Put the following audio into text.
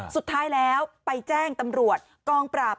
สุดท้ายแล้วไปแจ้งตำรวจกองปราบ